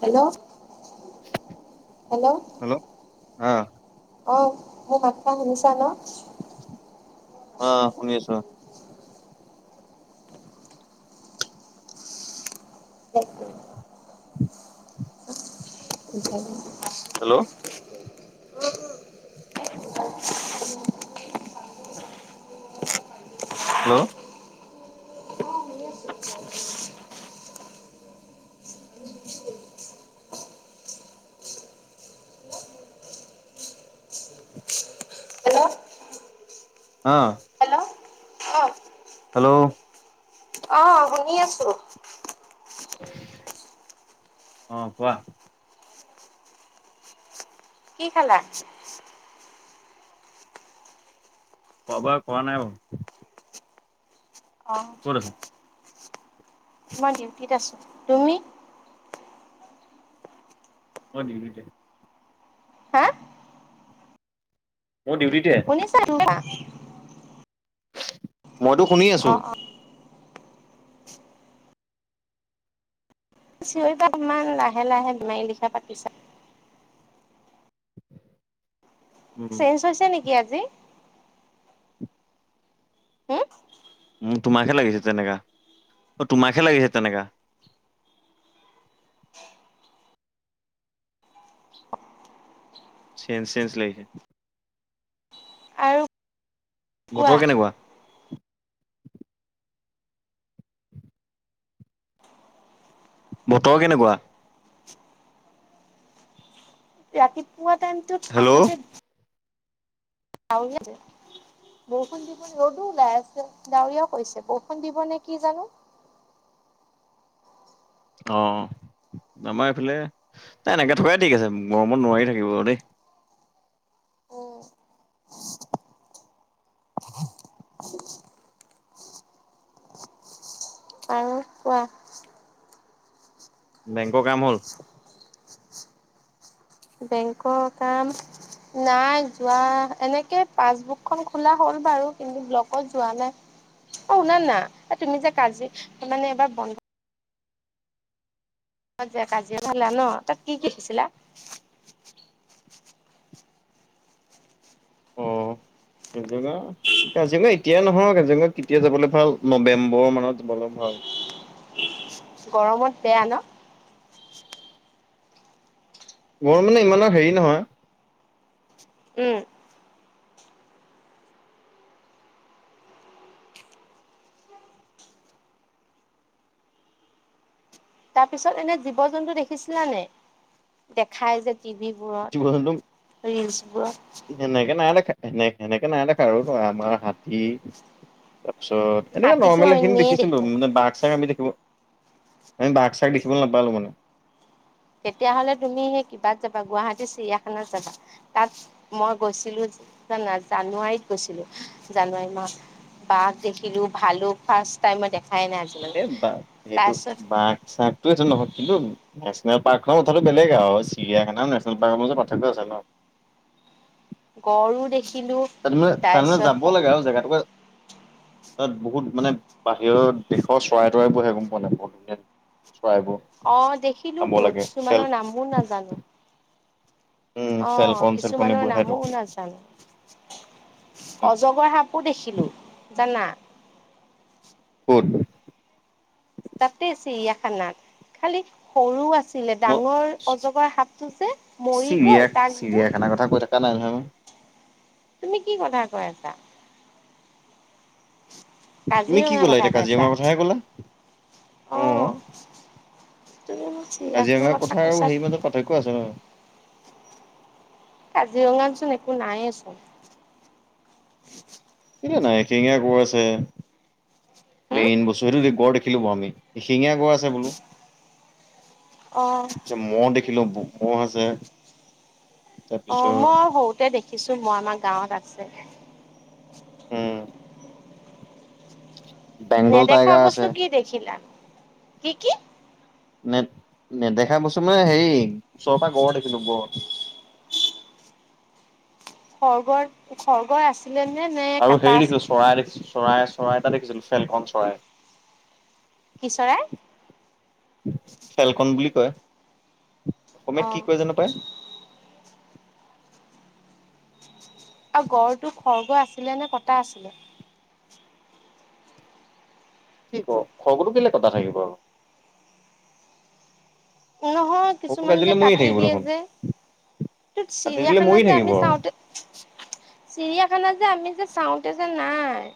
Hello hello hello অ অ মোৰ মাতসাৰ শুনিছা ন? অ শুনি আছো ৰ। [inaudible] [unintelligible] হেল্ল' হেল্ল' [inaudible] হেল্ল' অ হেল্ল' অ হেল্ল' অঁ শুনি আছোঁ। অঁ কোৱা? কি খালা? খোৱা বোৱা কৰা নাই বাৰু। অঁ। ক'ত আছ? মই ডিউটিত আছো। তুমি? মই ডিউটিতে। হা মইও ডিউটিতে। শুনিছা শুনিছা? মইতো শুনি অ আছো। অ চিঞৰিতাক ইমান লাহে লাহে বমাৰী লিখা পাতিছা। উম চেঞ্জ হৈছে নেকি আজি? হম তোমাকহে লাগিছে তেনেকা, অ' তোমাকহে লাগিছে তেনেকা। চেঞজ চেঞজ লাগিছে। আৰু কোৱা বতৰ কেনেকুৱা? বতৰ কেনেকুৱা? ৰাতিপুৱা টাইমতটোত হেল্ল' আহোতে [unintelligible] বৰষুণ দিব নি, ৰ'দো ওলাই আছে, ডাৱৰীয়াও কৰিছে, বৰষুণ দিবনে কি জানো। অঁ' আমাৰ এইফালে এনেকৈ থকাই ঠিক আছে, গৰমত নোৱাৰি থাকিব দেই। উম আৰু কোৱা বেংকৰ কাম হ'ল? বেংকৰ কাম- নাই যোৱা, এনেকে পাছবুক খন খোলা হ'ল বাৰু কিন্তু ব্লকত যোৱা নাই। অঁ' শুনা না' এ তুমি যে কাজি মানে এবাৰ বন্ধ- যে কাজিৰঙা [unintelligible] ন' তাত কি কি দিছিলে? [inaudible] জঙা [unintelligible] কাজিৰঙা এতিয়াই নহয়, কাজিৰঙা কেতিয়া যাবলৈ পাও নৱেম্বৰ মানত যাবলে ভাল। গৰমত বেয়া ন? গৰম মানে ইমান [unintelligible] হেৰি নহয়। উম। তাৰ পিছত এনে জীৱ-জন্তু দেখিছিলানে? দেখাই যে- টি ভি জীৱ জন্তু বোৰত, ৰিলচবোৰত। সেনেকে নাই দেখা, সেনেকে নাই দেখা আৰু ধৰা আমাৰ হাতী তাৰপিছত- এনেকে হাতীটো নৰ্মেল এখিনি এনেই দেখিছিলোঁ দেখো মানে বাঘ চাগ আমি দেখিব, আমি বাঘ চাগ দেখিবলৈ নাপালোঁ মানে। তেতিয়া হ'লে তুমি সেই কিবাত যাবা, গুৱাহাটী চিৰিয়াখানাত যাবা। তাত মই গৈছিলো জানা, জানুৱাৰীত গৈছিলো জানুৱাৰী মাহত। বাঘ দেখিলো, ভালোক ফাৰ্ষ টাইম মই দেখাই নাই আজিলৈকে এই বা সেইটো তাৰপিছত- বাঘ চাঘ- তো সেইটো নহয়, কিন্তু নে্যনেল পাৰ্কৰ কথাটো বেলেগ আৰু চিৰিয়াখানাও নেচনেল পাৰ্কৰ মাজত পাৰ্থক্য আছে ন। গড়ো দেখিলো- তাতমানে তাতমানে যাবও লাগে আৰু জেগাটোকোৱা [unintelligible] তাত বহুত মানে বাহিৰৰ দেশৰ চৰাই তৰাইবোৰ আহে গম পোৱাা নাই, বহুত ধুনীয়া চৰাইবোৰ চাব লাগে, চেলফ মোৰ নাজানোঁ। উম অ', ফেলকন চেলকন কিছুমানৰ এইবোৰ আহেটো নামো নাজানোঁ। অজগৰ সাপো দেখিলো জানা। ক'ত? তাতে চিৰিয়াখানা খালি সৰু আছিলে ডাঙৰ মই অজগৰ সাপটো যে মৰি চিৰিয়া গ'ল তাক যে চিৰিয়াখানাৰ কথা কৈ নাই নয়ে [unintelligible] তুমি কি কথা কৈ আছা। তুমি কি কাজিৰঙাৰ ক'লা কথা এতিয়া কৈছা। কাজিৰঙাৰ কথাহে ক'লা? অ', অহ', তুমি চিৰিয়াখানাৰ কাজিৰঙাৰ কথা কৈছা। আৰু হেই মাজৰ পাৰ্থক্য আছে ন। কাজিৰঙাতচোন একো নাইেচোন। উ [unintelligible] কি নাই এশিঙীয়া গড় আছে হুম, মেইন বস্তু সেইটো [unintelligible] [unintelligible] এশিঙীয়া গড় আছে বোলো। অ'। ম'হ দেখিলোঁ ম'হ আছে। তাৰপিছত অ', মই সৰুতে দেখিছোঁ মই আমাৰ গাঁৱত আছে। উম। বেংগল নেদেখা টাইগাৰ আছে বস্তু কি দেখিলা কি কি? নে নেদেখা বস্তু মানে হে ওচৰৰ পৰা গড় দেখিলোঁ গড়। খৰ্গৰ খৰ্গ আছিলে নে ন কাটা আছিলে। ব [unintelligible] চৰাই, চৰাই এটা দেখিছিল ফেলখন চৰাই। কি চৰাই? খেলকন বুলি কয় অসমীয়াত কি অ', কয় জানো পাই? আৰু গড়টো খৰ্গ আছিলে নে কটা আছিলে। কি ক খৰ্গতো কেলে কটা থাকিব আৰু। নহয় খৰ্গটো কিছুমান যে কাটিলে মৰিয়ে কাটি থাকিব দিয়ে দেখোন। যে ত ৰাতি দিলে চিৰিয়াখানা মৰি যে থাকিব আমি আৰু চাওঁতে চিৰিয়াখানা যে আমি যে চাওঁতে যে নাই।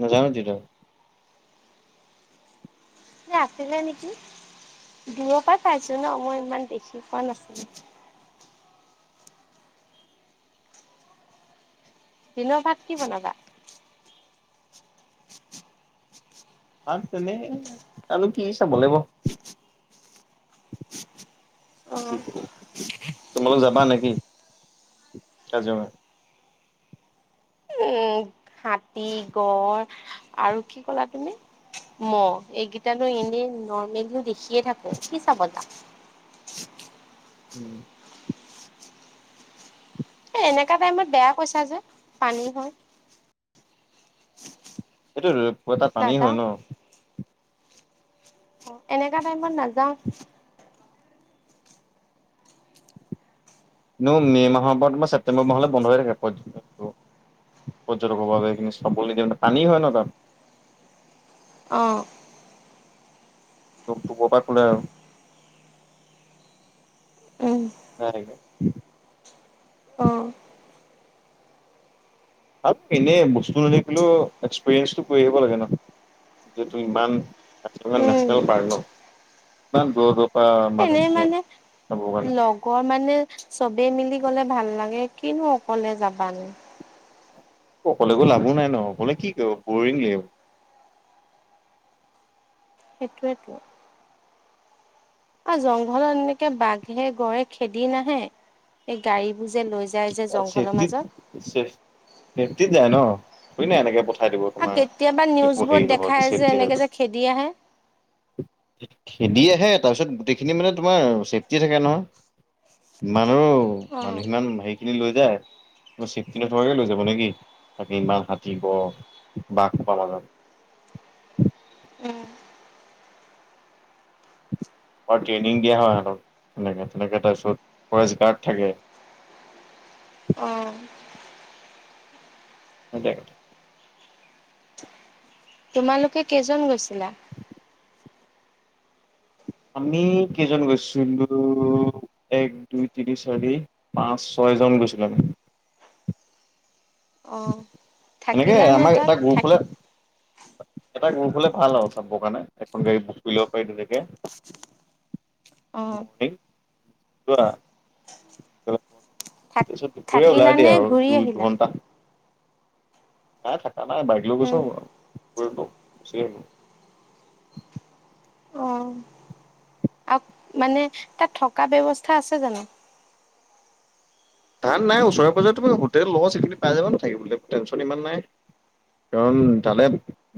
নাজানোঁ তেতিয়া। আছিলে নেকি দূৰৰ পৰা চাইছোঁ ন, মই ইমান দেখি পোৱা নাছিলোঁ। দিনৰ ভাত কি বনাবা? আৰু তেনে আৰু কি চাব লাগিব। অ কি উম খবৰ তোমালোক যাবা নেকি। কাজিৰঙা। হাতী গড় আৰু কি ক'লা তুমি। ম এইকেইটানো এনে নৰ্মেলিও দেখিয়ে থাকোঁ কি চাব তা ওম। এই এনেকুৱা টাইমত বেয়া কৈছা যে পানী হয়। এইটো এটা পানী হয় নাযাওঁ ন। অ', এনেকা টাইমত নাযাওঁ। নো মে' মাহৰ পৰা আমাৰ ছেপটেম্বৰ মাহলৈ বন্ধ হৈ থাকে পৰ্যন্তটো। পৰ্যটকৰভাৱে এইখিনি চাবলৈ নিদিয়ে পানী হয় ন তাত। অ'। কটোবৰ পৰা খোলে আৰু ন উম নেক [unintelligible] অঁ, আৰু এনেই বস্তু নেদেখিলেও এক্সপেৰিয়েঞ্চটো কৰি আহিব লাগে ন। যিহেতু ইমান উম নেচনেল পাৰ্ক ন? ইমান দূৰ দূৰ। বা ম দে দে হববে [unintelligible] ৰ মানে চবে মিলি গলে ভাল লাগে কিনো অকলে যাবা নো। অকলে গৈ লাভো নাই ন, অকলে কি কৰিব বৰিং লাগিব। সেইটোয়েতো। আৰু জংঘলত এনেকে বাঘে গড়ে খেদি নাহে এই গাড়ী বোৰ যে লৈ যায়। যে জংঘলৰ চেফটিত মাজত। চ চেফটিত যায় ন থুৰিনা এনেকে পঠাই দিব। আৰু তোমাৰ কেতিয়াবা একো হেৰি নিউজবোৰত নহোৱাকে দেখায় যে চেফটি এনেকৈ নোহোৱাকে যে খেদি আহে। খেদি আহে তাৰপিছত গোটেইখিনি মানে তোমাৰ চেফটিয়ে থাকে নহয়। ইমানো উম, মানুহ সিমান হেইৰিখিনি লৈ যায়। একো চেফটি নথকাকৈ লৈ যাব নেকি, তাকে ইমান হাতী গড় বাঘ খোপা মাজত। উম আৰু ট্ৰেইনিং দিয়া হয় সিতক তেনেকে তেনেকে তাৰপিছত ফৰেষ্ট গাৰ্ড থাকে। অঁ অ দে [unintelligible] তোমালোকে কেইজন গৈছিলা? আমি কেইজন গৈছিলো এক দুই তিনি চাৰি পাঁচ ছয় জন গৈছিলো আমি। অ', এনেকে থাকিলানে আমাৰ তাত? এটা গ্ৰুপ থাক হলে এটা গ্ৰুপ হলে ভাল আৰু চবৰ কাৰণে এখন গাড়ী বুক কৰি লব পাৰি তেনেকে অ', ম কোৱা [unintelligible] থাক তাৰপিছত দুপৰীয়া ওলাই থাকিলানে দিয়ে আৰু ঘূৰি দুই আহিলা? ঘণ্টা। নাই থাকা নাই বাইক লৈ গৈছো উম, ফুৰিব গুচি আ অ', আৰু মানে তাত থকা ব্যৱস্থা আছে জানো? ধান নাই ওচৰে পাজৰে তোমাৰ হোটেল লগ আছিল পাই যাবা ছাগে থাকিবলৈ টেনছন ইমান নাই কাৰণ তালৈ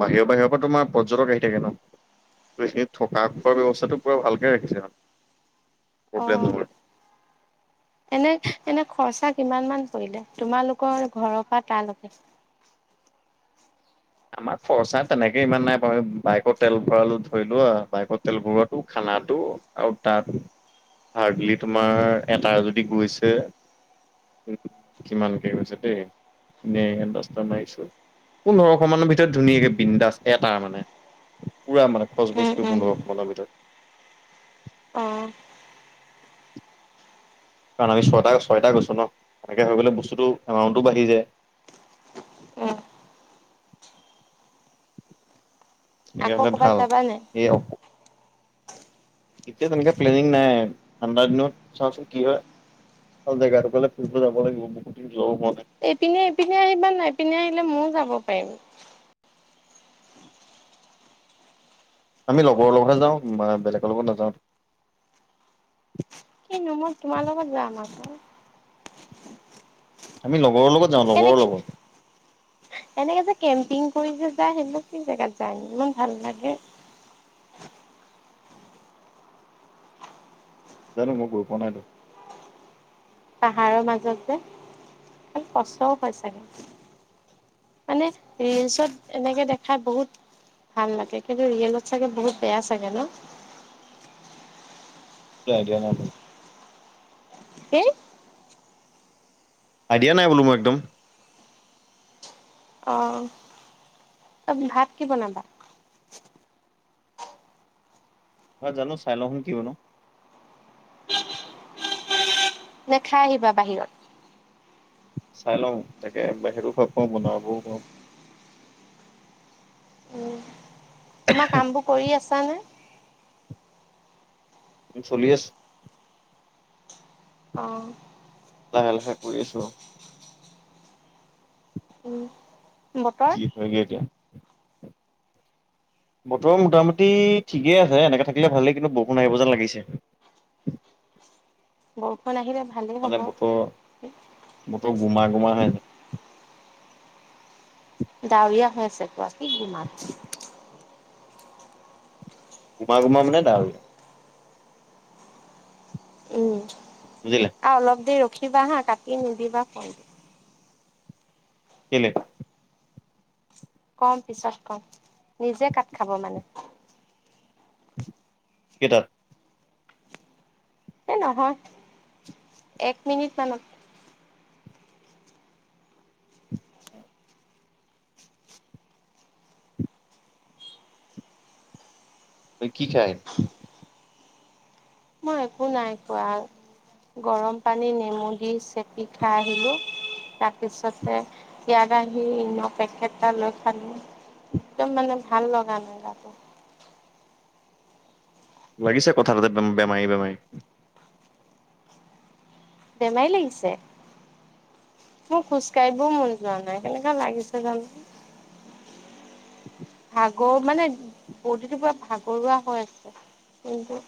বাহিৰৰ বাহিৰৰ পৰা তোমাৰ পৰ্যটক আহি থাকে ন! এইখিনি থকা খোৱাৰ ব্যৱস্থাটো পুৰা ভালকে ৰাখিছে প্ৰব্লেম অ', নহয়। এনে এনে খৰচা কিমান মান পৰিলে? তোমালোকৰ ঘৰৰ পৰা তালৈকে? আমাৰ খৰচা তেনেকে ইমান নাই বাৰু, বাইকৰ তেল ভৰালো ধৰিলো বাইকৰ তেল ভৰোৱালো খানাটো আৰু তাত হাৰ্ডলি তোমাৰ এটা যদি গৈছে কিমানকে গৈছে দেই, এনেই দছটা মাৰিছোঁ পোন্ধৰ ভিতৰত ধুনীয়াকে বিন্দাস এটা মানে, পুৰা মানে উম, খচবোজ কৰি উম, পোন্ধৰশ তা ভিতৰত অঁ কাৰণ আমি ছয়টা ছয়টা গৈছোঁ ন, এনেকৈ হৈ গ'লে বস্তুটো এমাউণ্টো বাঢ়ি যায়। অ'। এনেকে আকৌ হলে ক'ৰবাত ভাল, যাবা নাই? এই এতিয়া তেনেকে প্লেনিং নাই, ঠাণ্ডা দিনত চাওচোন কি হয় জেগা ডূখলে ফুৰিব যাব লাগিব বহুত দিন যোৱাও হোৱা নাই এইপিনে এইপিনে আহিবা না এইপিনে আহিলে ময়ো যাব পাৰিম। আমি লগৰ লগতহে যাওঁ, মানে বেলেগৰ লগত নাযাওঁ। কিনো মই তোমাৰ লগত যাম আক। আমি লগৰ লগত যাওঁ লগৰৰ কেনেকে, লগত এনেকে যে কেম্পিং কৰি যে যায় সেইবোৰ কি জেগাত যায় ইমান ভাল লাগে জানো মই গৈ পোৱা নাইতো পাহাৰ মাজত যে অ কষ্টও হয় চাগে মানে ৰিলচত এনেকে দেখাত বহুত ভাল লাগে কিন্তু ৰিয়েলত চাগে বহুত বেয়া চাগে ন এটো আইডিয়া নাই মো এই আইডিয়া নাই বোলো মোৰ একদম অঁ ত ভাত কি বনাবা হয় জানো চাই লওঁ কি বনাও নে খাই আহিবা বাহিৰত চাই লওঁ তাকে বাহিৰতো খাব পাওঁ বনাবও পাওঁ উম তোমা কামবোৰ কৰি আছানে উ চলি আছ অ লাহে লাহে কই আছোঁ আউ উম বতৰ হৈগে এতিয়া বতৰ মোটামুটি ঠিকেই আছে এনেকে থাকিলে ভালেই কিন্তু বউষুণ আহিব যেন লাগিছে বৰষুণ আহিলে ভালেই মানে হ'ব। বতৰ বতৰ গোমা গোমা হয় আছে ডাৱৰীয়া হৈ আছে কোৱা কি গোমাত গোমা গোমা মানে ডাৱৰীয়া উম বুজিলে আউ অলপ দেৰি ৰখিবা হা কাটি নিদিবা ফনটো কেলে কম পিছত কম নিজে কাত খাব মানে কেইটাত এ নহয় এক মিনিট মানত তই কি খাই মই একো নাই খোৱা গৰম পানী নেমু দি চেপি খাই আহিলোঁ তাপিছতে ইয়াত আহি ইন্ন পেকেট এটা লৈ খালো একদম মানে ভাল লগা নাই গাটো লাগিছে কথা পতাত উম বেমাৰী বেমাৰী বেমাই লাগিছে মোৰ খোজ কাইবও মন যোৱা নাই কেনেকা লাগিছে জানো উ [inaudible] ভাগ মানে বডীটো পুৰা ভাগৰুৱা হৈ আছে কিন্তু